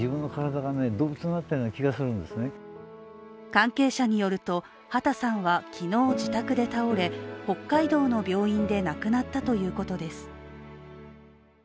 関係者によると、畑さんは昨日、自宅で倒れ北海道の病院で亡くなったということです。